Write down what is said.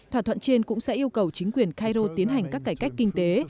thỏa thuận trên cũng sẽ yêu cầu chính quyền cairo tiến hành các cải cách kinh tế